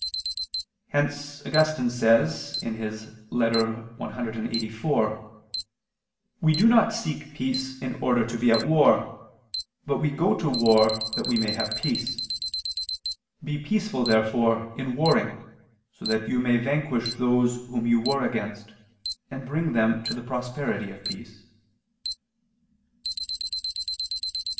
Hence Augustine says (Ep. ad Bonif. clxxxix): "We do not seek peace in order to be at war, but we go to war that we may have peace. Be peaceful, therefore, in warring, so that you may vanquish those whom you war against, and bring them to the prosperity of peace."